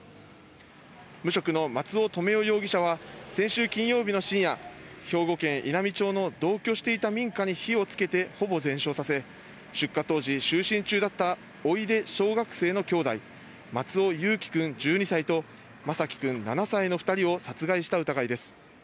無職の松尾留与容疑者は先週金曜日の深夜、兵庫県稲美町の同居していた民家に火をつけてほぼ全焼させ、出火当時、就寝中だった甥で小学生の兄弟、松尾侑城くん１２歳と眞輝くん７歳の２人を殺害した疑いです。